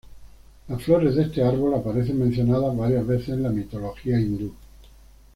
Las flores de este árbol aparecen mencionadas varias veces en la mitología hindú.